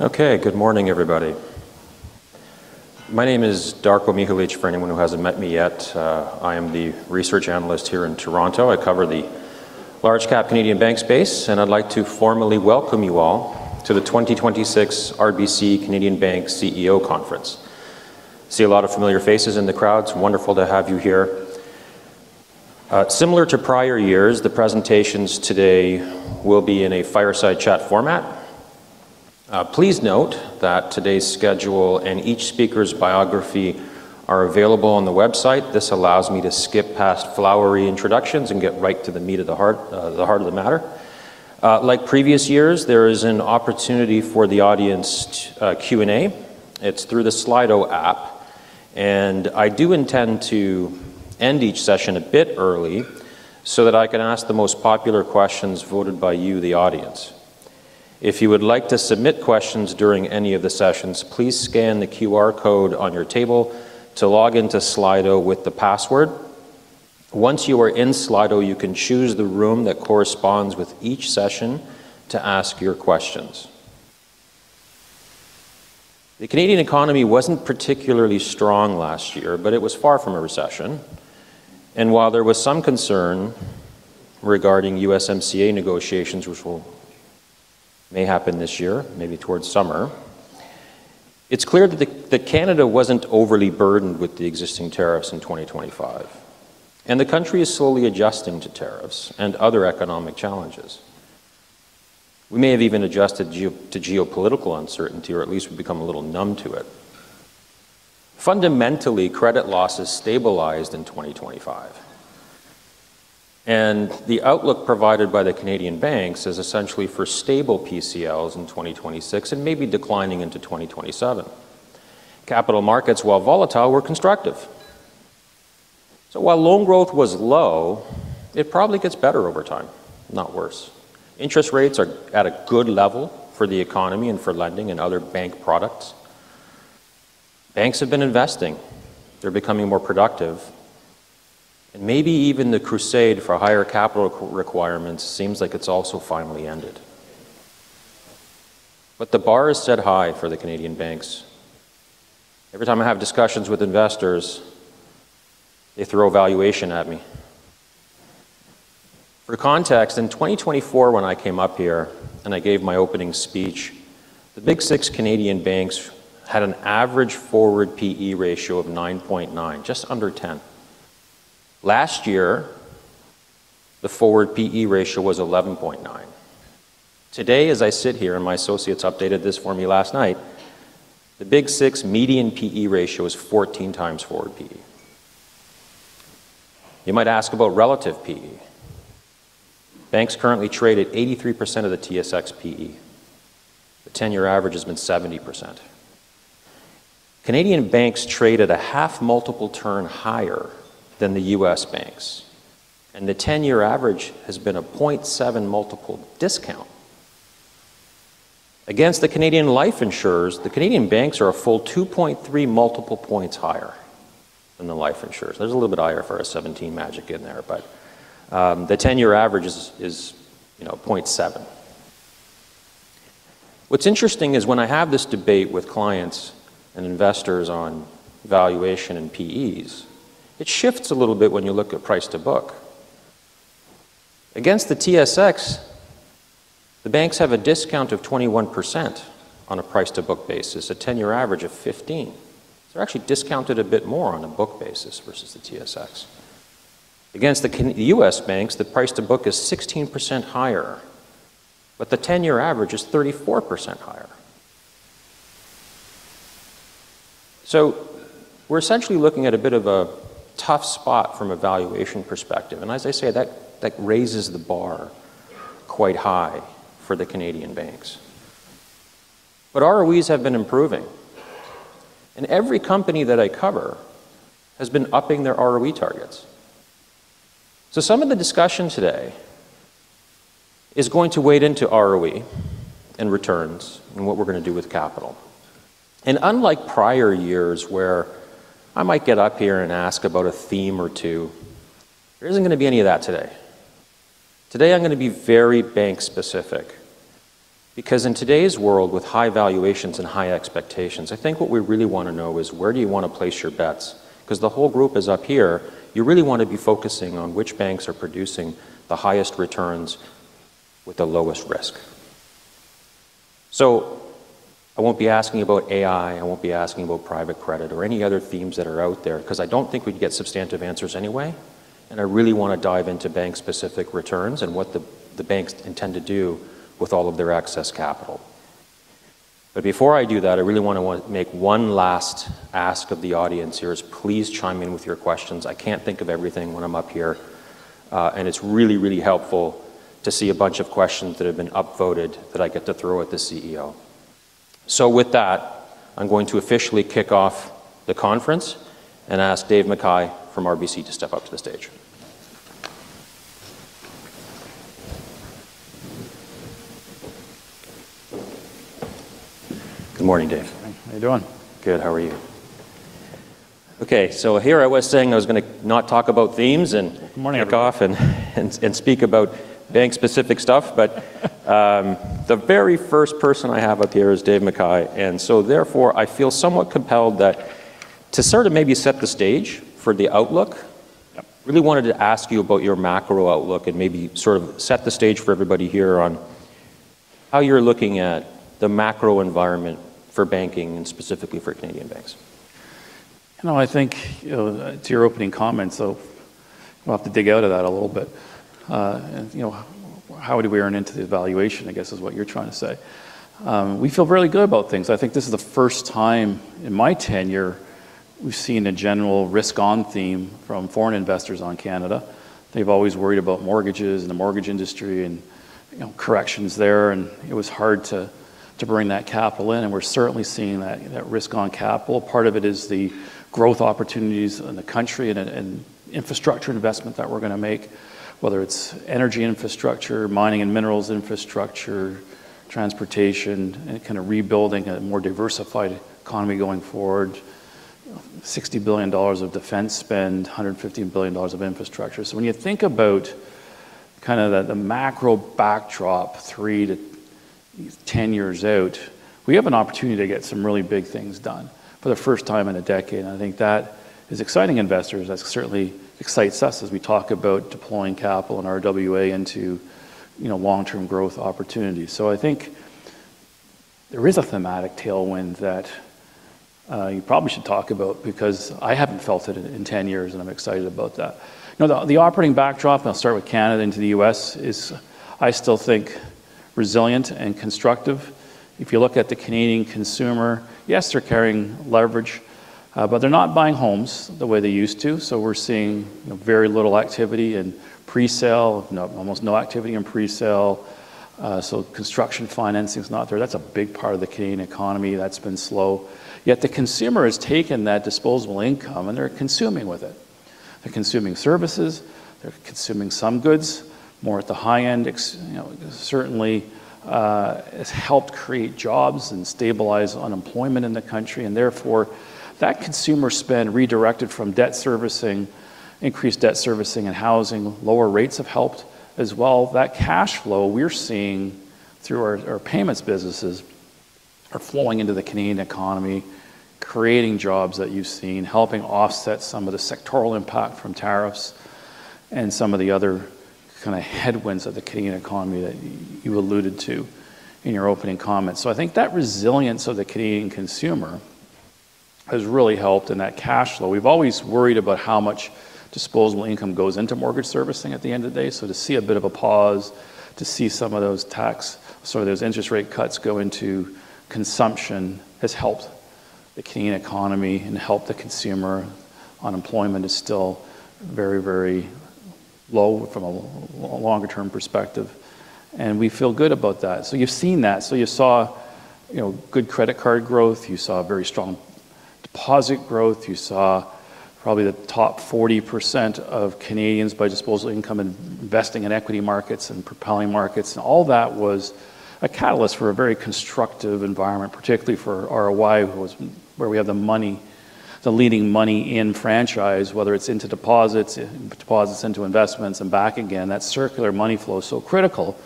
Okay, good morning, everybody. My name is Darko Mihelic, for anyone who hasn't met me yet. I am the research analyst here in Toronto. I cover the large-cap Canadian bank space, and I'd like to formally welcome you all to the 2026 RBC Canadian Bank CEO Conference. I see a lot of familiar faces in the crowd. It's wonderful to have you here. Similar to prior years, the presentations today will be in a fireside chat format. Please note that today's schedule and each speaker's biography are available on the website. This allows me to skip past flowery introductions and get right to the meat of the heart of the matter. Like previous years, there is an opportunity for the audience to Q&A. It's through the Slido app, and I do intend to end each session a bit early so that I can ask the most popular questions voted by you, the audience. If you would like to submit questions during any of the sessions, please scan the QR code on your table to log into Slido with the password. Once you are in Slido, you can choose the room that corresponds with each session to ask your questions. The Canadian economy wasn't particularly strong last year, but it was far from a recession. While there was some concern regarding USMCA negotiations, which may happen this year, maybe towards summer, it's clear that Canada wasn't overly burdened with the existing tariffs in 2025, and the country is slowly adjusting to tariffs and other economic challenges. We may have even adjusted to geopolitical uncertainty, or at least we've become a little numb to it. Fundamentally, credit loss has stabilized in 2025, and the outlook provided by the Canadian banks is essentially for stable PCLs in 2026 and maybe declining into 2027. Capital markets, while volatile, were constructive. So while loan growth was low, it probably gets better over time, not worse. Interest rates are at a good level for the economy and for lending and other bank products. Banks have been investing. They're becoming more productive. And maybe even the crusade for higher capital requirements seems like it's also finally ended. But the bar is set high for the Canadian banks. Every time I have discussions with investors, they throw valuation at me. For context, in 2024, when I came up here and I gave my opening speech, the big six Canadian banks had an average forward P/E ratio of 9.9, just under 10. Last year, the forward P/E ratio was 11.9. Today, as I sit here and my associates updated this for me last night, the big six median P/E ratio is 14x forward P/E. You might ask about relative P/E. Banks currently trade at 83% of the TSX P/E. The 10-year average has been 70%. Canadian banks trade at a half-multiple turn higher than the U.S. banks, and the 10-year average has been a 0.7-multiple discount. Against the Canadian life insurers, the Canadian banks are a full 2.3-multiple points higher than the life insurers. There's a little bit higher for a 17 magic in there, but the 10-year average is 0.7. What's interesting is when I have this debate with clients and investors on valuation and P/Es, it shifts a little bit when you look at price to book. Against the TSX, the banks have a discount of 21% on a price to book basis, a 10-year average of 15%. They're actually discounted a bit more on a book basis versus the TSX. Against the U.S. banks, the price to book is 16% higher, but the 10-year average is 34% higher. So we're essentially looking at a bit of a tough spot from a valuation perspective. And as I say, that raises the bar quite high for the Canadian banks. But ROEs have been improving, and every company that I cover has been upping their ROE targets. So some of the discussion today is going to wade into ROE and returns and what we're going to do with capital. And unlike prior years where I might get up here and ask about a theme or two, there isn't going to be any of that today. Today, I'm going to be very bank-specific because in today's world with high valuations and high expectations, I think what we really want to know is where do you want to place your bets? Because the whole group is up here, you really want to be focusing on which banks are producing the highest returns with the lowest risk. So I won't be asking about AI. I won't be asking about private credit or any other themes that are out there because I don't think we'd get substantive answers anyway. And I really want to dive into bank-specific returns and what the banks intend to do with all of their excess capital. But before I do that, I really want to make one last ask of the audience here. Please chime in with your questions. I can't think of everything when I'm up here, and it's really, really helpful to see a bunch of questions that have been upvoted that I get to throw at the CEO. So with that, I'm going to officially kick off the conference and ask Dave McKay from RBC to step up to the stage. Good morning, Dave. How are you doing? Good. How are you? Okay. So here I was saying I was going to not talk about themes and kick off and speak about bank-specific stuff, but the very first person I have up here is Dave McKay. And so therefore, I feel somewhat compelled that to sort of maybe set the stage for the outlook. I really wanted to ask you about your macro outlook and maybe sort of set the stage for everybody here on how you're looking at the macro environment for banking and specifically for Canadian banks. I think to your opening comments, we'll have to dig out of that a little bit. How do we earn into the valuation, I guess, is what you're trying to say. We feel really good about things. I think this is the first time in my tenure we've seen a general risk-on theme from foreign investors on Canada. They've always worried about mortgages and the mortgage industry and corrections there, and it was hard to bring that capital in, and we're certainly seeing that risk-on capital. Part of it is the growth opportunities in the country and infrastructure investment that we're going to make, whether it's energy infrastructure, mining and minerals infrastructure, transportation, and kind of rebuilding a more diversified economy going forward, 60 billion dollars of defense spend, 150 billion dollars of infrastructure. So when you think about kind of the macro backdrop three to 10 years out, we have an opportunity to get some really big things done for the first time in a decade. And I think that is exciting investors. That certainly excites us as we talk about deploying capital and RWA into long-term growth opportunities. So I think there is a thematic tailwind that you probably should talk about because I haven't felt it in 10 years, and I'm excited about that. The operating backdrop, and I'll start with Canada into the U.S., is I still think resilient and constructive. If you look at the Canadian consumer, yes, they're carrying leverage, but they're not buying homes the way they used to. So we're seeing very little activity in presale, almost no activity in presale. So construction financing is not there. That's a big part of the Canadian economy that's been slow. Yet the consumer has taken that disposable income, and they're consuming with it. They're consuming services. They're consuming some goods, more at the high end. Certainly, it's helped create jobs and stabilize unemployment in the country. And therefore, that consumer spend redirected from debt servicing, increased debt servicing and housing, lower rates have helped as well. That cash flow we're seeing through our payments businesses are flowing into the Canadian economy, creating jobs that you've seen, helping offset some of the sectoral impact from tariffs and some of the other kind of headwinds of the Canadian economy that you alluded to in your opening comments. So I think that resilience of the Canadian consumer has really helped in that cash flow. We've always worried about how much disposable income goes into mortgage servicing at the end of the day. So, to see a bit of a pause, to see some of those tax, sort of those interest rate cuts go into consumption has helped the Canadian economy and helped the consumer. Unemployment is still very, very low from a longer-term perspective, and we feel good about that. You've seen that. You saw good credit card growth. You saw very strong deposit growth. You saw probably the top 40% of Canadians by disposable income investing in equity markets and propelling markets. All that was a catalyst for a very constructive environment, particularly for ROE, where we have the leading money-in-motion franchise, whether it's into deposits into investments, and back again. That circular money flow is so critical.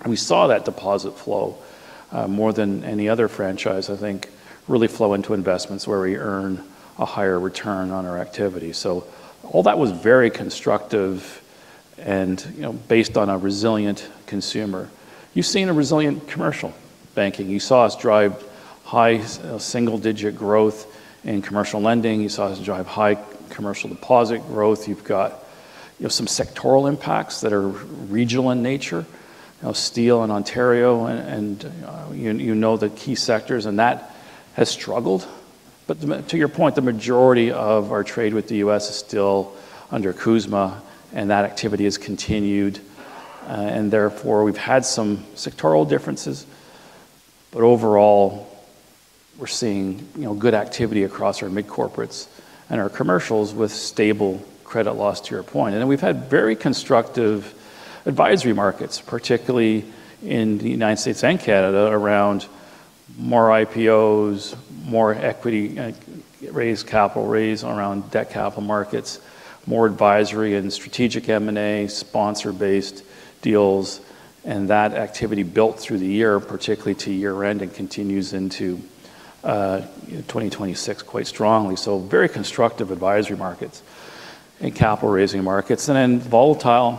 And we saw that deposit flow more than any other franchise, I think, really flow into investments where we earn a higher return on our activity. So all that was very constructive and based on a resilient consumer. You've seen a resilient commercial banking. You saw us drive high single-digit growth in commercial lending. You saw us drive high commercial deposit growth. You've got some sectoral impacts that are regional in nature, steel in Ontario, and you know the key sectors, and that has struggled. But to your point, the majority of our trade with the U.S. is still under CUSMA, and that activity has continued. And therefore, we've had some sectoral differences, but overall, we're seeing good activity across our mid-corporates and our commercials with stable credit loss to your point. And then we've had very constructive advisory markets, particularly in the United States and Canada around more IPOs, more equity raise, capital raise around debt capital markets, more advisory and strategic M&A, sponsor-based deals, and that activity built through the year, particularly to year-end and continues into 2026 quite strongly. So very constructive advisory markets and capital-raising markets. And then volatile.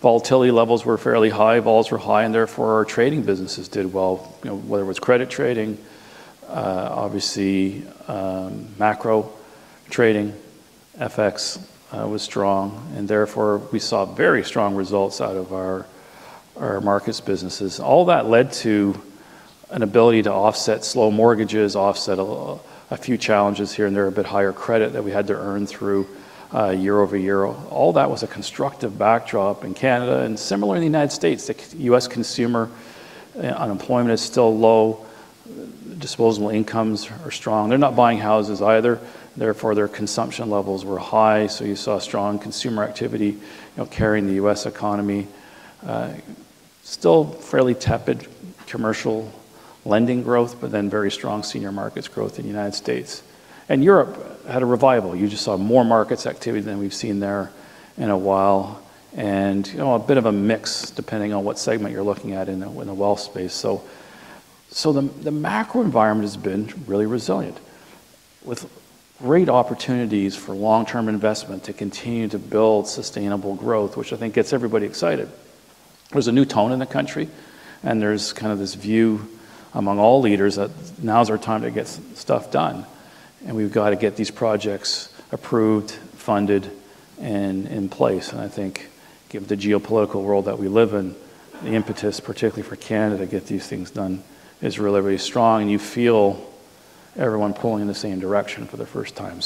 Volatility levels were fairly high. Vols were high, and therefore our trading businesses did well, whether it was credit trading, obviously macro trading, FX was strong. And therefore, we saw very strong results out of our markets businesses. All that led to an ability to offset slow mortgages, offset a few challenges here and there, a bit higher credit that we had to earn through year over year. All that was a constructive backdrop in Canada and similar in the United States. The U.S. consumer unemployment is still low. Disposable incomes are strong. They're not buying houses either. Therefore, their consumption levels were high, so you saw strong consumer activity carrying the U.S. economy. Still fairly tepid commercial lending growth, but then very strong capital markets growth in the United States, and Europe had a revival. You just saw more markets activity than we've seen there in a while and a bit of a mix depending on what segment you're looking at in the wealth space, so the macro environment has been really resilient with great opportunities for long-term investment to continue to build sustainable growth, which I think gets everybody excited. There's a new tone in the country, and there's kind of this view among all leaders that now's our time to get stuff done, and we've got to get these projects approved, funded, and in place. I think given the geopolitical world that we live in, the impetus, particularly for Canada to get these things done, is really, really strong. You feel everyone pulling in the same direction for the first time.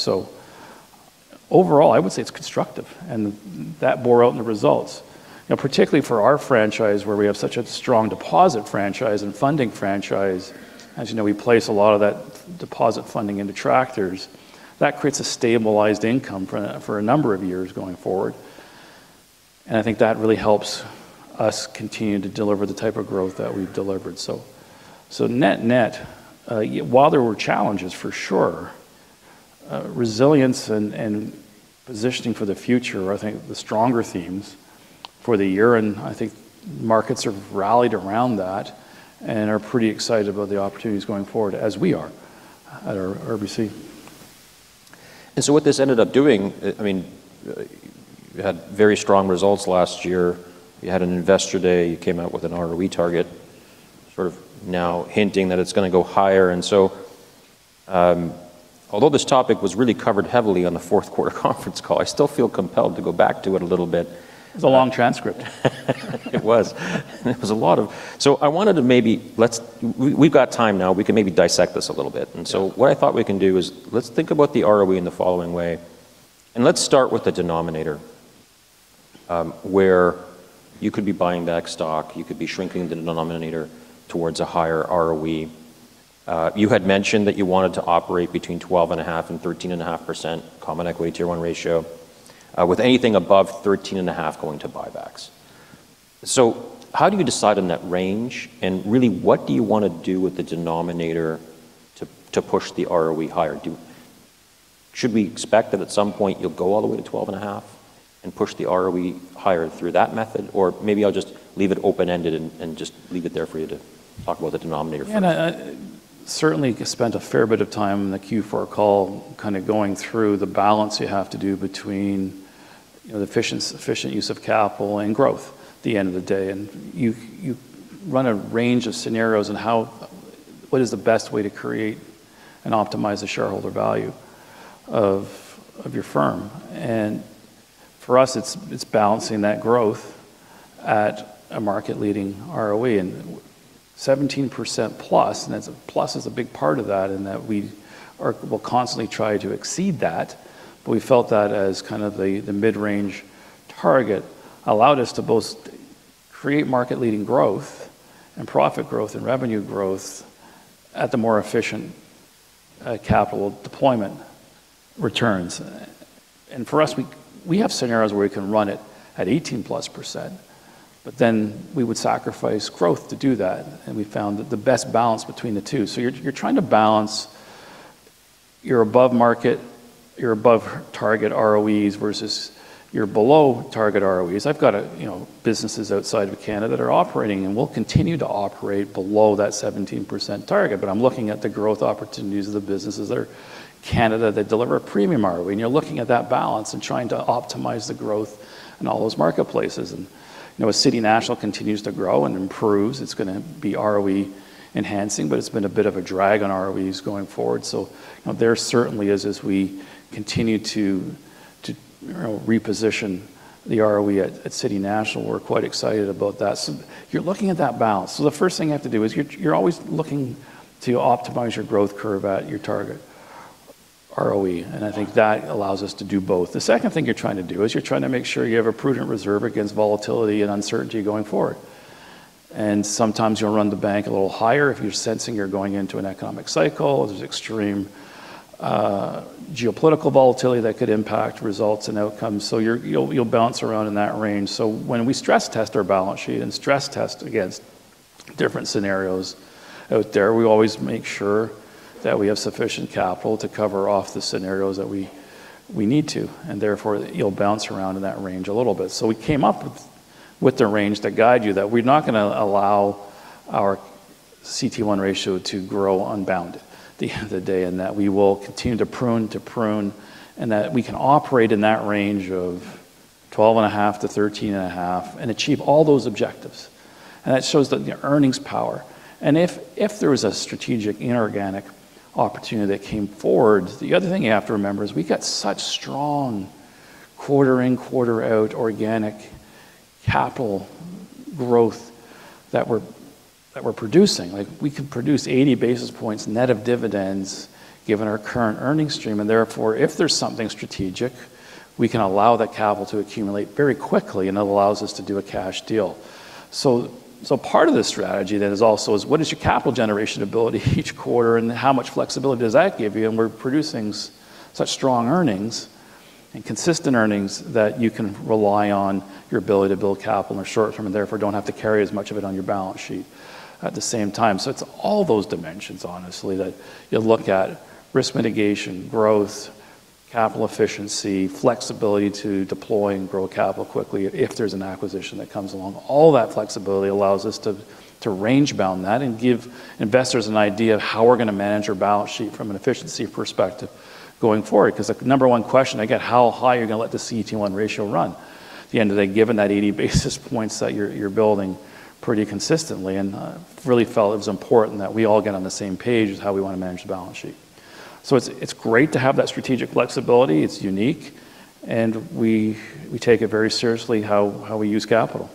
Overall, I would say it's constructive, and that bore out in the results, particularly for our franchise where we have such a strong deposit franchise and funding franchise. As you know, we place a lot of that deposit funding into Treasuries. That creates a stabilized income for a number of years going forward. I think that really helps us continue to deliver the type of growth that we've delivered. Net net, while there were challenges for sure, resilience and positioning for the future are, I think, the stronger themes for the year. I think markets have rallied around that and are pretty excited about the opportunities going forward as we are at RBC. And so what this ended up doing, I mean, you had very strong results last year. You had an Investor Day. You came out with an ROE target, sort of now hinting that it's going to go higher. And so although this topic was really covered heavily on the fourth quarter conference call, I still feel compelled to go back to it a little bit. It was a long transcript. It was. It was a lot. So I wanted to. Maybe we've got time now. We can maybe dissect this a little bit. What I thought we can do is let's think about the ROE in the following way. Let's start with the denominator where you could be buying back stock. You had mentioned that you wanted to operate between 12.5% and 13.5% common equity tier one ratio with anything above 13.5% going to buybacks. How do you decide on that range? Really, what do you want to do with the denominator to push the ROE higher? Should we expect that at some point you'll go all the way to 12.5% and push the ROE higher through that method? Or maybe I'll just leave it open-ended and just leave it there for you to talk about the denominator. Yeah. Certainly spent a fair bit of time in the Q4 call kind of going through the balance you have to do between the efficient use of capital and growth at the end of the day. And you run a range of scenarios and what is the best way to create and optimize the shareholder value of your firm. And for us, it's balancing that growth at a market-leading ROE and 17% plus. And that's a plus is a big part of that in that we will constantly try to exceed that. But we felt that as kind of the mid-range target allowed us to both create market-leading growth and profit growth and revenue growth at the more efficient capital deployment returns. And for us, we have scenarios where we can run it at 18% plus, but then we would sacrifice growth to do that. And we found the best balance between the two. So you're trying to balance your above-market, your above-target ROEs versus your below-target ROEs. I've got businesses outside of Canada that are operating and will continue to operate below that 17% target. But I'm looking at the growth opportunities of the businesses that are Canada that deliver a premium ROE. And you're looking at that balance and trying to optimize the growth in all those marketplaces. And as City National continues to grow and improves, it's going to be ROE enhancing, but it's been a bit of a drag on ROEs going forward. So there certainly is as we continue to reposition the ROE at City National. We're quite excited about that. So you're looking at that balance. So the first thing you have to do is you're always looking to optimize your growth curve at your target ROE. I think that allows us to do both. The second thing you're trying to do is you're trying to make sure you have a prudent reserve against volatility and uncertainty going forward. Sometimes you'll run the bank a little higher if you're sensing you're going into an economic cycle. There's extreme geopolitical volatility that could impact results and outcomes. You'll bounce around in that range. When we stress test our balance sheet and stress test against different scenarios out there, we always make sure that we have sufficient capital to cover off the scenarios that we need to. Therefore, you'll bounce around in that range a little bit. So we came up with the range to guide you that we're not going to allow our CET1 ratio to grow unbounded at the end of the day and that we will continue to prune and that we can operate in that range of 12.5%-13.5% and achieve all those objectives. And that shows the earnings power. And if there was a strategic inorganic opportunity that came forward, the other thing you have to remember is we got such strong quarter in, quarter out organic capital growth that we're producing. We can produce 80 basis points net of dividends given our current earnings stream. And therefore, if there's something strategic, we can allow that capital to accumulate very quickly and it allows us to do a cash deal. So part of the strategy then is also what is your capital generation ability each quarter and how much flexibility does that give you? And we're producing such strong earnings and consistent earnings that you can rely on your ability to build capital in the short term and therefore don't have to carry as much of it on your balance sheet at the same time. So it's all those dimensions, honestly, that you'll look at: risk mitigation, growth, capital efficiency, flexibility to deploy and grow capital quickly if there's an acquisition that comes along. All that flexibility allows us to range-bound that and give investors an idea of how we're going to manage our balance sheet from an efficiency perspective going forward. Because the number one question I get, how high are you going to let the CET1 ratio run at the end of the day given that 80 basis points that you're building pretty consistently? And I really felt it was important that we all get on the same page as how we want to manage the balance sheet. So it's great to have that strategic flexibility. It's unique. And we take it very seriously how we use capital.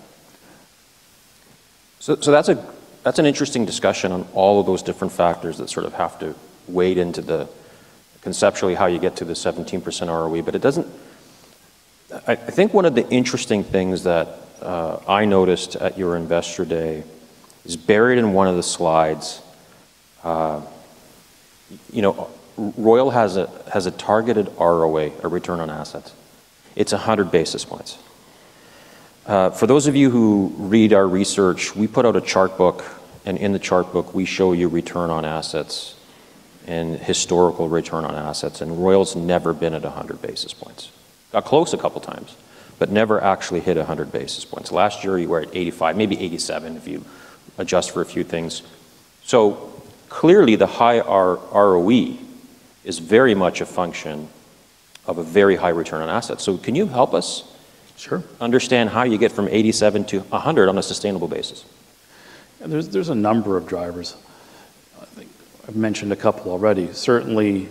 That's an interesting discussion on all of those different factors that sort of have to wade into the conceptually how you get to the 17% ROE. But I think one of the interesting things that I noticed at your Investor Day is buried in one of the slides. Royal has a targeted ROE, a return on assets. It's 100 basis points. For those of you who read our research, we put out a chart book, and in the chart book, we show you return on assets and historical return on assets. And Royal's never been at 100 basis points. Got close a couple of times, but never actually hit 100 basis points. Last year, you were at 85, maybe 87 if you adjust for a few things. So clearly, the high ROE is very much a function of a very high return on assets. Can you help us understand how you get from 87 to 100 on a sustainable basis? There's a number of drivers. I've mentioned a couple already. Certainly,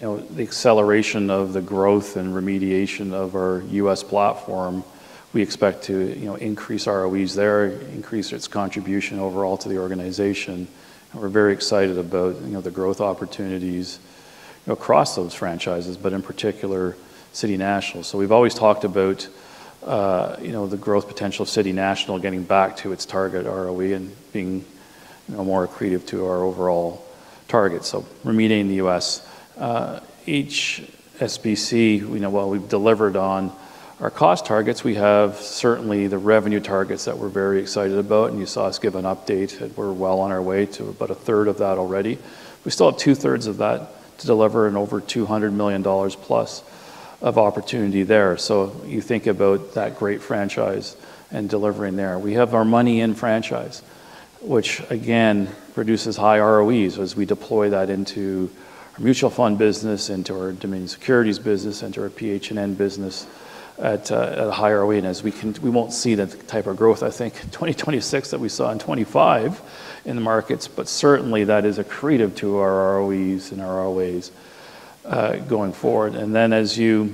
the acceleration of the growth and remediation of our U.S. platform, we expect to increase ROEs there, increase its contribution overall to the organization. We're very excited about the growth opportunities across those franchises, but in particular, City National. So we've always talked about the growth potential of City National getting back to its target ROE and being more accretive to our overall target. So remediating the U.S. HSBC, while we've delivered on our cost targets, we have certainly the revenue targets that we're very excited about. And you saw us give an update that we're well on our way to about a third of that already. We still have two-thirds of that to deliver and over 200 million dollars plus of opportunity there. So you think about that great franchise and delivering there. We have our money-in franchise, which again produces high ROEs as we deploy that into our Mutual Fund business, into our demand Securities business, into our PH&N business at a high ROE. And we won't see that type of growth, I think, in 2026 that we saw in 2025 in the markets. But certainly, that is accretive to our ROEs and our ROAs going forward. And then as you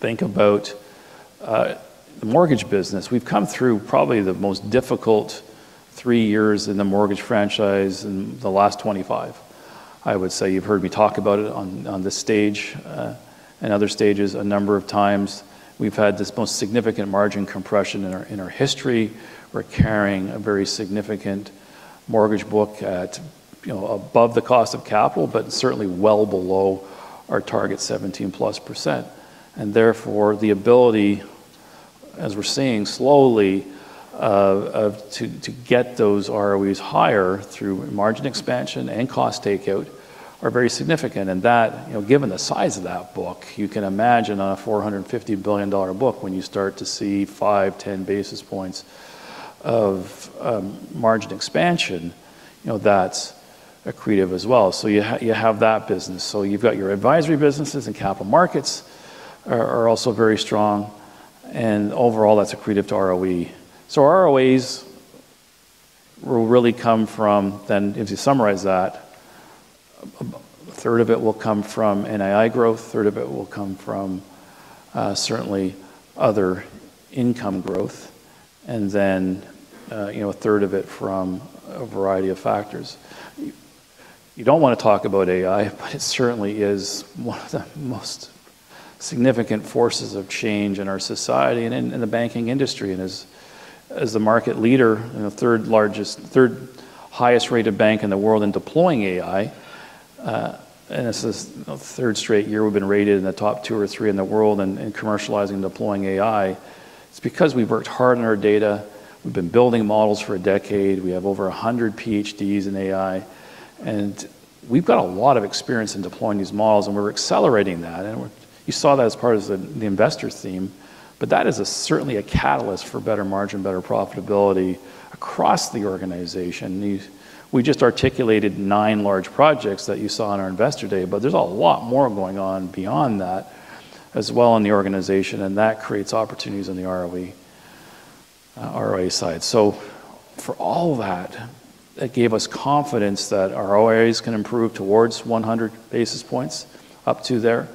think about the mortgage business, we've come through probably the most difficult three years in the mortgage franchise in the last 25. I would say you've heard me talk about it on this stage and other stages a number of times. We've had this most significant margin compression in our history. We're carrying a very significant mortgage book at above the cost of capital, but certainly well below our target 17% plus percent. And therefore, the ability, as we're seeing slowly, to get those ROEs higher through margin expansion and cost takeout are very significant. And given the size of that book, you can imagine on a 450 billion dollar book when you start to see 5-10 basis points of margin expansion, that's accretive as well. So you have that business. So you've got your advisory businesses and capital markets are also very strong. And overall, that's accretive to ROE. So ROEs will really come from, then if you summarize that, a third of it will come from NII growth, a third of it will come from certainly other income growth, and then a third of it from a variety of factors. You don't want to talk about AI, but it certainly is one of the most significant forces of change in our society and in the banking industry. And as the market leader and the third highest rated bank in the world in deploying AI, and this is the third straight year we've been rated in the top two or three in the world in commercializing and deploying AI, it's because we've worked hard on our data. We've been building models for a decade. We have over 100 PhDs in AI. And we've got a lot of experience in deploying these models, and we're accelerating that. And you saw that as part of the investor's theme. But that is certainly a catalyst for better margin, better profitability across the organization. We just articulated nine large projects that you saw on our Investor Day, but there's a lot more going on beyond that as well in the organization. And that creates opportunities on the ROE side. So for all that, that gave us confidence that our ROAs can improve towards 100 basis points up to there.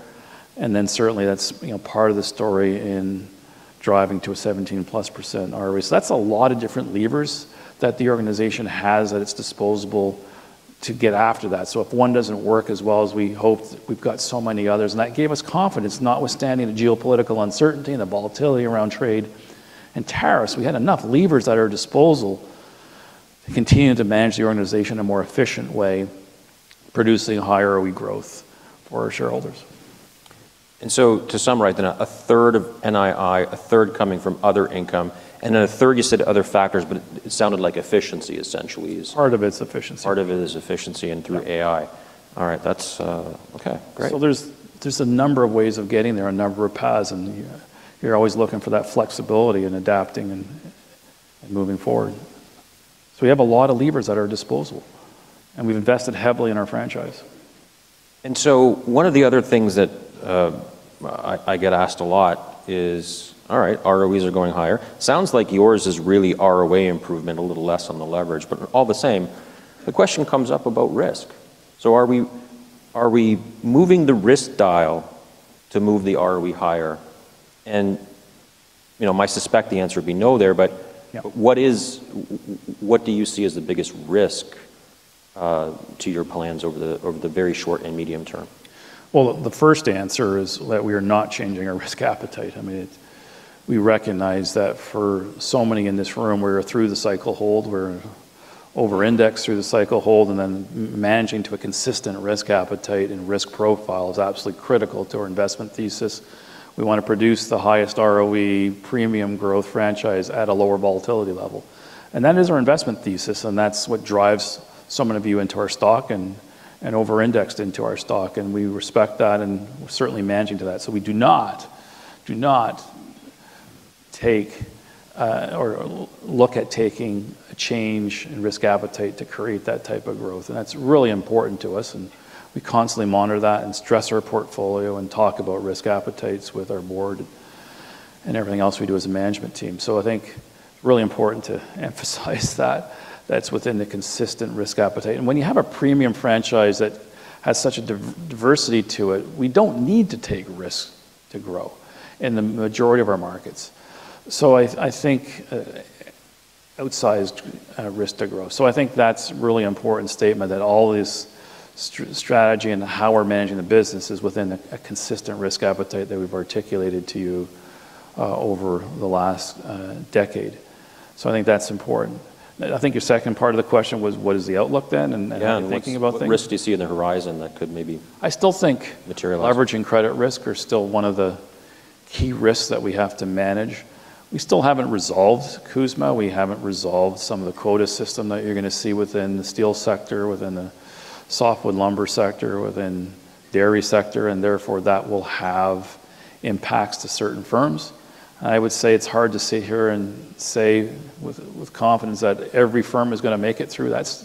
And then certainly, that's part of the story in driving to a 17% plus percent ROE. So that's a lot of different levers that the organization has at its disposal to get after that. So if one doesn't work as well as we hoped, we've got so many others. And that gave us confidence, notwithstanding the geopolitical uncertainty and the volatility around trade and tariffs. We had enough levers at our disposal to continue to manage the organization in a more efficient way, producing higher ROE growth for our shareholders. And so to summarize then, a third of NII, a third coming from other income, and then a third, you said other factors, but it sounded like efficiency, essentially. Part of its efficiency. Part of it is efficiency and through AI. All right. That's okay. Great. So there's a number of ways of getting there, a number of paths. And you're always looking for that flexibility and adapting and moving forward. So we have a lot of levers at our disposal. And we've invested heavily in our franchise. And so one of the other things that I get asked a lot is, all right, ROEs are going higher. Sounds like yours is really ROA improvement, a little less on the leverage. But all the same, the question comes up about risk. So are we moving the risk dial to move the ROE higher? And I suspect the answer would be no there. But what do you see as the biggest risk to your plans over the very short and medium term? The first answer is that we are not changing our risk appetite. I mean, we recognize that for so many in this room, we're through the cycle hold. We're over-indexed through the cycle hold, and then managing to a consistent risk appetite and risk profile is absolutely critical to our investment thesis. We want to produce the highest ROE premium growth franchise at a lower volatility level, and that is our investment thesis, and that's what drives so many of you into our stock and over-indexed into our stock, and we respect that and certainly managing to that, so we do not take or look at taking a change in risk appetite to create that type of growth. And that's really important to us. We constantly monitor that and stress our portfolio and talk about risk appetites with our board and everything else we do as a management team. So I think it's really important to emphasize that that's within the consistent risk appetite. And when you have a premium franchise that has such a diversity to it, we don't need to take risk to grow in the majority of our markets. So I think outsized risk to grow. So I think that's a really important statement that all this strategy and how we're managing the business is within a consistent risk appetite that we've articulated to you over the last decade. So I think that's important. I think your second part of the question was, what is the outlook then? And are you thinking about things? Yeah. What risk do you see in the horizon that could maybe materialize? I still think leveraging credit risk are still one of the key risks that we have to manage. We still haven't resolved CUSMA. We haven't resolved some of the quota system that you're going to see within the steel sector, within the softwood lumber sector, within the dairy sector. And therefore, that will have impacts to certain firms. And I would say it's hard to sit here and say with confidence that every firm is going to make it through that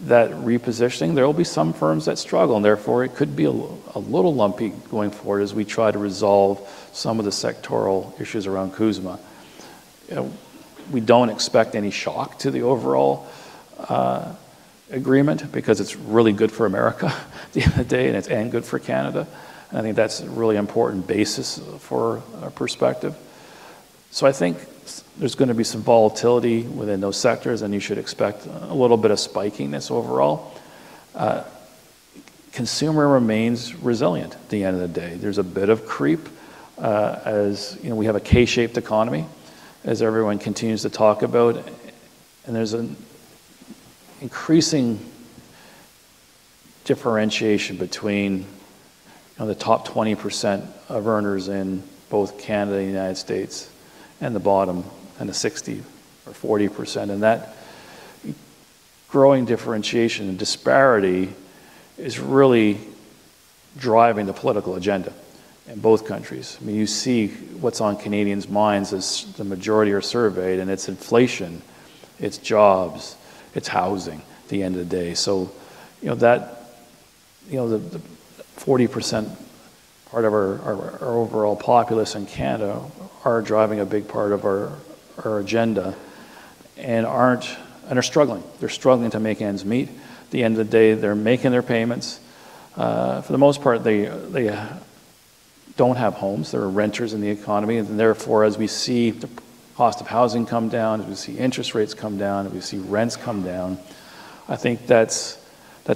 repositioning. There will be some firms that struggle. And therefore, it could be a little lumpy going forward as we try to resolve some of the sectoral issues around CUSMA. We don't expect any shock to the overall agreement because it's really good for America at the end of the day and it's good for Canada. And I think that's a really important basis for our perspective. So I think there's going to be some volatility within those sectors. And you should expect a little bit of spiking this overall. Consumer remains resilient at the end of the day. There's a bit of creep as we have a K-shaped economy as everyone continues to talk about. And there's an increasing differentiation between the top 20% of earners in both Canada and the United States and the bottom and the 60% or 40%. And that growing differentiation and disparity is really driving the political agenda in both countries. I mean, you see what's on Canadians' minds as the majority are surveyed. And it's inflation, it's jobs, it's housing at the end of the day. So the 40% part of our overall populace in Canada are driving a big part of our agenda and are struggling. They're struggling to make ends meet. At the end of the day, they're making their payments. For the most part, they don't have homes. They're renters in the economy. And therefore, as we see the cost of housing come down, as we see interest rates come down, as we see rents come down, I think that's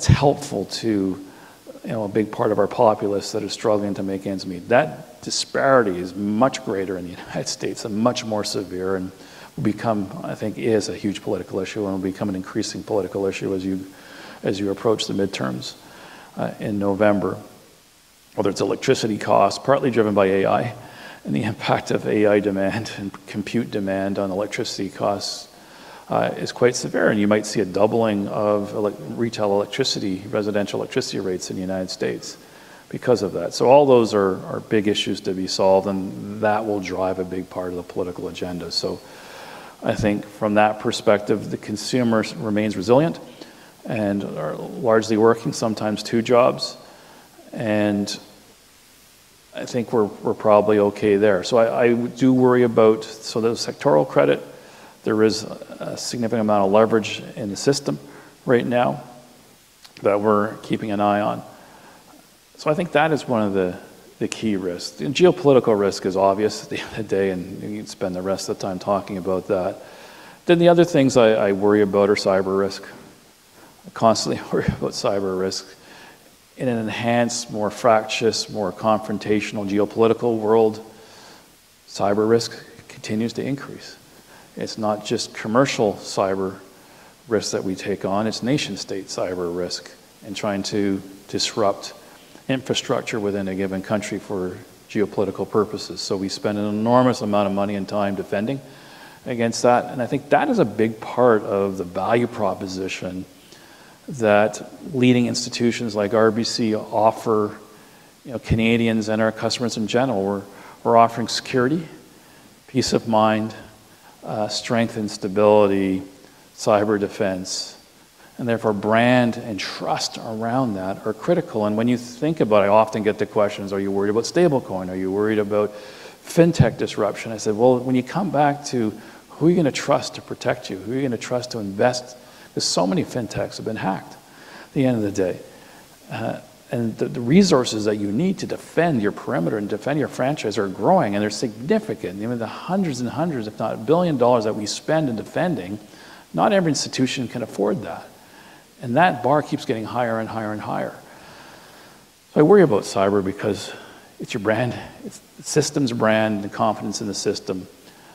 helpful to a big part of our populace that is struggling to make ends meet. That disparity is much greater in the United States and much more severe and will become, I think, is a huge political issue and will become an increasing political issue as you approach the midterms in November. Whether it's electricity costs, partly driven by AI and the impact of AI demand and compute demand on electricity costs is quite severe. And you might see a doubling of retail electricity, residential electricity rates in the United States because of that. So all those are big issues to be solved. And that will drive a big part of the political agenda. So I think from that perspective, the consumer remains resilient and are largely working sometimes two jobs. And I think we're probably okay there. So I do worry about, so the sectoral credit, there is a significant amount of leverage in the system right now that we're keeping an eye on. So I think that is one of the key risks. And geopolitical risk is obvious at the end of the day. And you can spend the rest of the time talking about that. Then the other things I worry about are cyber risk. I constantly worry about cyber risk. In an enhanced, more fractious, more confrontational geopolitical world, cyber risk continues to increase. It's not just commercial cyber risk that we take on. It's nation-state cyber risk and trying to disrupt infrastructure within a given country for geopolitical purposes. So we spend an enormous amount of money and time defending against that. And I think that is a big part of the value proposition that leading institutions like RBC offer Canadians and our customers in general. We're offering security, peace of mind, strength and stability, cyber defense. And therefore, brand and trust around that are critical. And when you think about it, I often get the questions, are you worried about stablecoin? Are you worried about fintech disruption? I said, well, when you come back to who are you going to trust to protect you? Who are you going to trust to invest? Because so many fintechs have been hacked at the end of the day. And the resources that you need to defend your perimeter and defend your franchise are growing. And they're significant. The hundreds and hundreds, if not billion dollars that we spend in defending, not every institution can afford that. And that bar keeps getting higher and higher and higher. So I worry about cyber because it's your brand, it's the system's brand, the confidence in the system.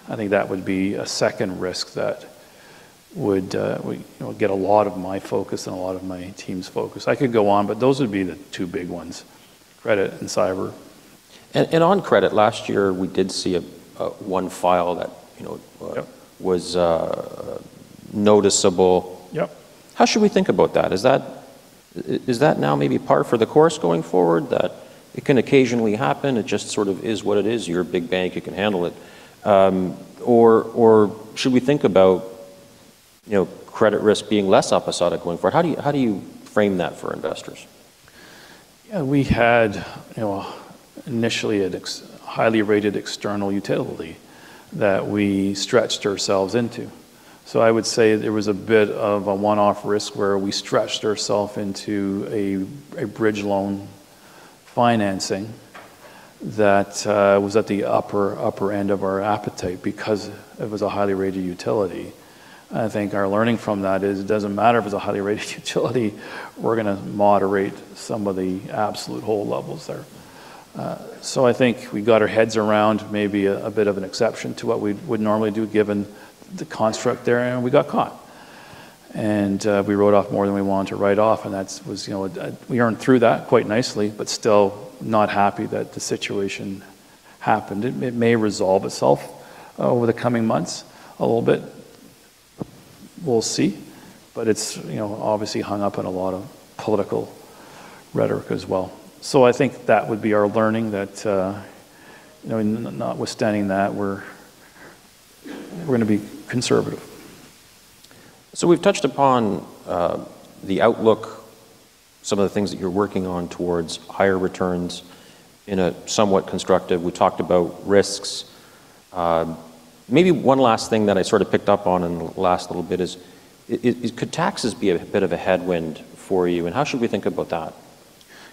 I think that would be a second risk that would get a lot of my focus and a lot of my team's focus. I could go on, but those would be the two big ones, credit and cyber. On credit, last year, we did see one file that was noticeable. Yep. How should we think about that? Is that now maybe par for the course going forward that it can occasionally happen? It just sort of is what it is. You're a big bank. You can handle it. Or should we think about credit risk being less episodic going forward? How do you frame that for investors? Yeah. We had initially a highly rated external utility that we stretched ourselves into. So I would say there was a bit of a one-off risk where we stretched ourselves into a bridge loan financing that was at the upper end of our appetite because it was a highly rated utility. And I think our learning from that is it doesn't matter if it's a highly rated utility. We're going to moderate some of the absolute hold levels there. So I think we got our heads around maybe a bit of an exception to what we would normally do given the construct there. And we got caught. And we wrote off more than we wanted to write off. And that was we earned through that quite nicely, but still not happy that the situation happened. It may resolve itself over the coming months a little bit. We'll see. But it's obviously hung up in a lot of political rhetoric as well. So I think that would be our learning that notwithstanding that, we're going to be conservative. So we've touched upon the outlook, some of the things that you're working on towards higher returns in a somewhat constructive. We talked about risks. Maybe one last thing that I sort of picked up on in the last little bit is could taxes be a bit of a headwind for you? And how should we think about that?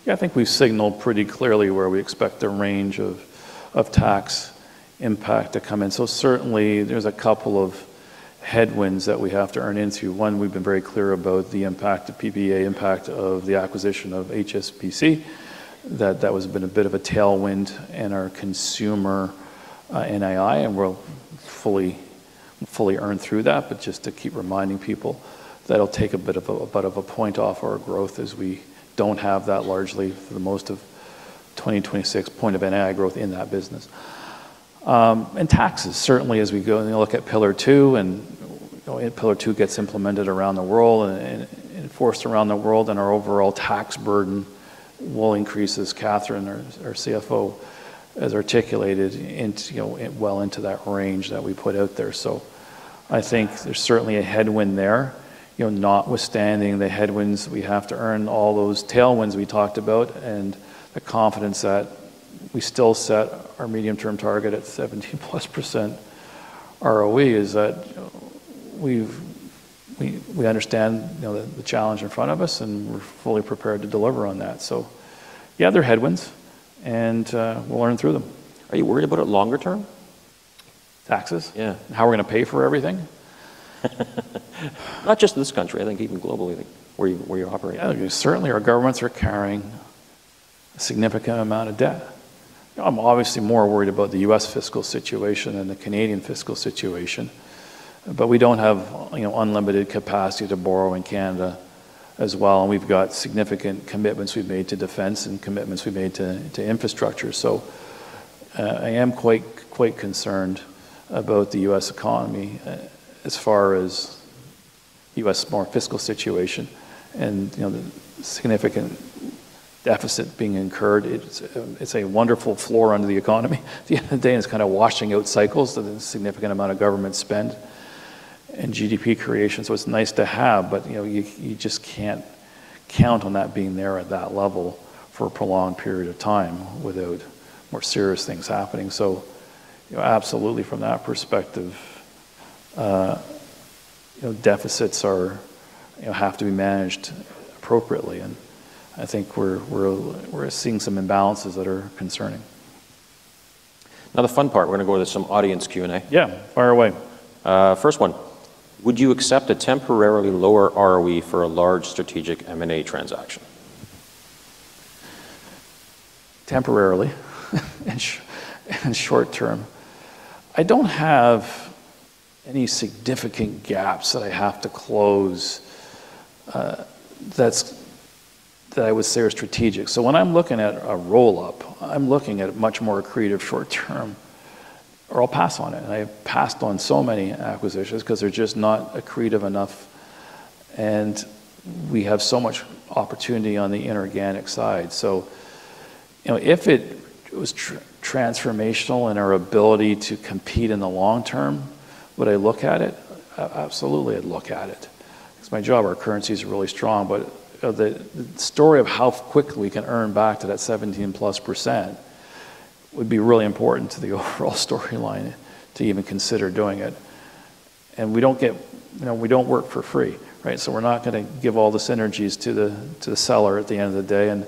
Yeah. I think we've signaled pretty clearly where we expect the range of tax impact to come in. So certainly, there's a couple of headwinds that we have to earn into. One, we've been very clear about the impact, the PPA impact of the acquisition of HSBC, that that was a bit of a tailwind in our consumer NII. And we'll fully earn through that. But just to keep reminding people that it'll take a bit of a point off our growth as we don't have that largely for the most of 2026 point of NII growth in that business. And taxes, certainly, as we go and look at Pillar Two. And Pillar Two gets implemented around the world and enforced around the world. And our overall tax burden will increase, as Katherine, our CFO, has articulated well into that range that we put out there. So I think there's certainly a headwind there. Notwithstanding the headwinds, we have to earn all those tailwinds we talked about. And the confidence that we still set our medium-term target at 17% plus ROE is that we understand the challenge in front of us. And we're fully prepared to deliver on that. So yeah, they're headwinds. And we'll earn through them. Are you worried about it longer term? Taxes? Yeah. And how we're going to pay for everything? Not just in this country. I think even globally, I think where you operate. Certainly, our governments are carrying a significant amount of debt. I'm obviously more worried about the U.S. fiscal situation than the Canadian fiscal situation, but we don't have unlimited capacity to borrow in Canada as well, and we've got significant commitments we've made to defense and commitments we've made to infrastructure, so I am quite concerned about the U.S. economy as far as U.S. fiscal situation and the significant deficit being incurred. It's a wonderful floor under the economy at the end of the day, and it's kind of washing out cycles of the significant amount of government spend and GDP creation, so it's nice to have, but you just can't count on that being there at that level for a prolonged period of time without more serious things happening, so absolutely, from that perspective, deficits have to be managed appropriately. I think we're seeing some imbalances that are concerning. Now, the fun part. We're going to go to some audience Q&A. Yeah. Fire away. First one. Would you accept a temporarily lower ROE for a large strategic M&A transaction? Temporarily and short term. I don't have any significant gaps that I have to close that I would say are strategic. So when I'm looking at a roll-up, I'm looking at a much more accretive short term. Or I'll pass on it. And I've passed on so many acquisitions because they're just not accretive enough. And we have so much opportunity on the inorganic side. So if it was transformational in our ability to compete in the long term, would I look at it? Absolutely, I'd look at it. It's my job. Our currency is really strong. But the story of how quickly we can earn back to that 17% plus would be really important to the overall storyline to even consider doing it. And we don't work for free. So we're not going to give all the synergies to the seller at the end of the day. And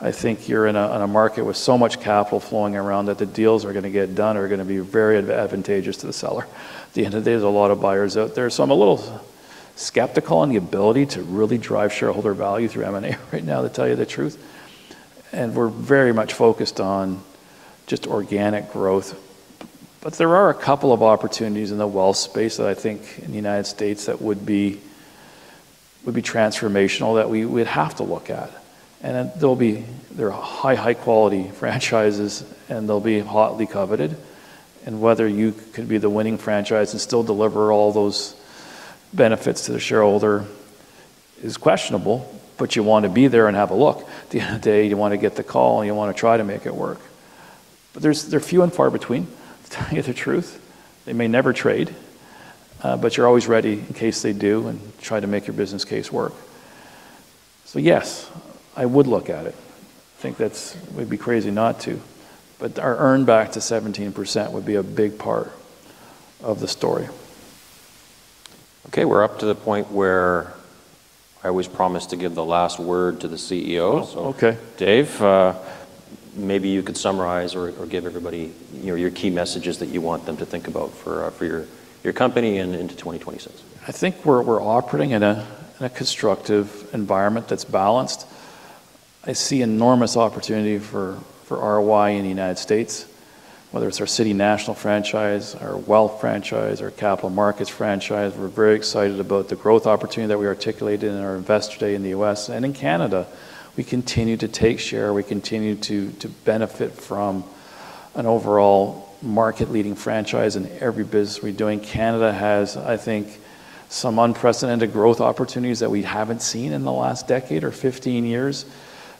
I think you're in a market with so much capital flowing around that the deals are going to get done or are going to be very advantageous to the seller. At the end of the day, there's a lot of buyers out there. So I'm a little skeptical on the ability to really drive shareholder value through M&A right now, to tell you the truth. And we're very much focused on just organic growth. But there are a couple of opportunities in the wealth space that I think in the United States that would be transformational that we would have to look at. And there'll be high-quality franchises. And they'll be hotly coveted. And whether you could be the winning franchise and still deliver all those benefits to the shareholder is questionable. But you want to be there and have a look. At the end of the day, you want to get the call. And you want to try to make it work. But they're few and far between, to tell you the truth. They may never trade. But you're always ready in case they do and try to make your business case work. So yes, I would look at it. I think that would be crazy not to. But our earn back to 17% would be a big part of the story. Okay. We're up to the point where I always promise to give the last word to the CEO. Okay. Dave, maybe you could summarize or give everybody your key messages that you want them to think about for your company and into 2026? I think we're operating in a constructive environment that's balanced. I see enormous opportunity for ROI in the United States, whether it's our City National franchise, or wealth franchise, or capital markets franchise. We're very excited about the growth opportunity that we articulated in our Investor Day in the U.S., and in Canada, we continue to take share. We continue to benefit from an overall market-leading franchise in every business we're doing. Canada has, I think, some unprecedented growth opportunities that we haven't seen in the last decade or 15 years,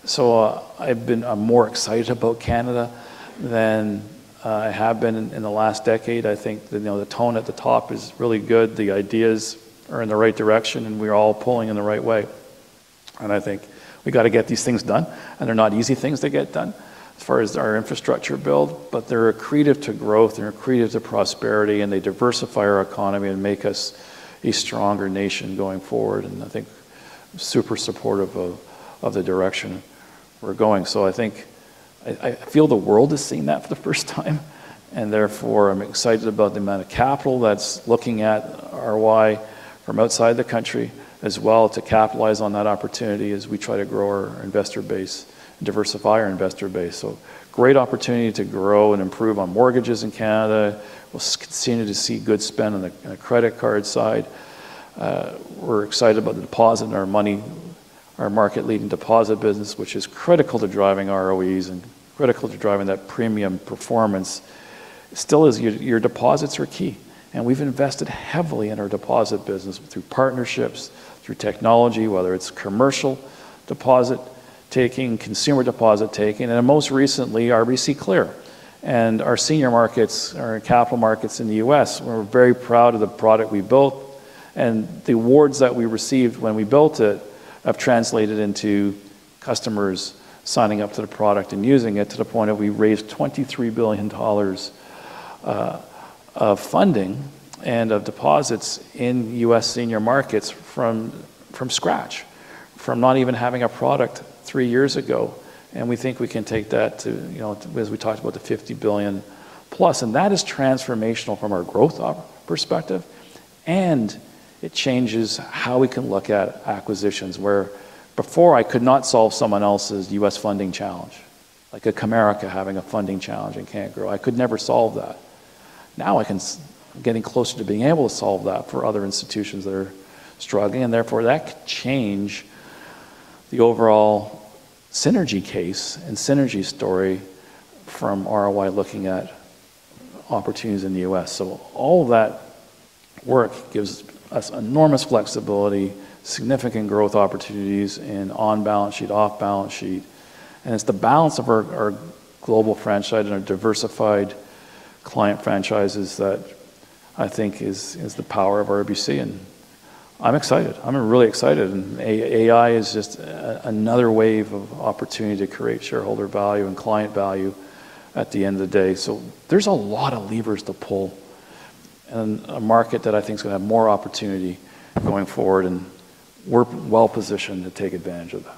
so I've been more excited about Canada than I have been in the last decade. I think the tone at the top is really good. The ideas are in the right direction, and we're all pulling in the right way. And I think we've got to get these things done. And they're not easy things to get done as far as our infrastructure build. But they're accretive to growth. They're accretive to prosperity. And they diversify our economy and make us a stronger nation going forward. And I think I'm super supportive of the direction we're going. So I think I feel the world is seeing that for the first time. And therefore, I'm excited about the amount of capital that's looking at ROI from outside the country as well to capitalize on that opportunity as we try to grow our investor base and diversify our investor base. So great opportunity to grow and improve on mortgages in Canada. We'll continue to see good spend on the credit card side. We're excited about the deposit and our money, our market-leading deposit business, which is critical to driving ROEs and critical to driving that premium performance. Still, your deposits are key. And we've invested heavily in our deposit business through partnerships, through technology, whether it's commercial deposit taking, consumer deposit taking. And most recently, RBC Clear. And our senior markets, our capital markets in the U.S., we're very proud of the product we built. And the awards that we received when we built it have translated into customers signing up to the product and using it to the point of we raised $23 billion of funding and of deposits in U.S. senior markets from scratch, from not even having a product three years ago. And we think we can take that to, as we talked about, the $50 billion plus. And that is transformational from our growth perspective. And it changes how we can look at acquisitions where before I could not solve someone else's U.S. funding challenge, like a Comerica having a funding challenge and can't grow. I could never solve that. Now I'm getting closer to being able to solve that for other institutions that are struggling, and therefore that could change the overall synergy case and synergy story from ROI looking at opportunities in the U.S., so all of that work gives us enormous flexibility, significant growth opportunities in on-balance sheet, off-balance sheet, and it's the balance of our global franchise and our diversified client franchises that I think is the power of RBC, and I'm excited. I'm really excited, and AI is just another wave of opportunity to create shareholder value and client value at the end of the day, so there's a lot of levers to pull in a market that I think is going to have more opportunity going forward, and we're well-positioned to take advantage of that.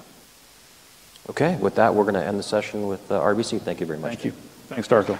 Okay. With that, we're going to end the session with RBC. Thank you very much. Thank you. Thanks, Dr.